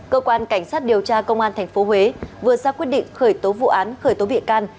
cơ quan cảnh sát điều tra công an tp huế vừa ra quyết định khởi tố vụ án khởi tố bị can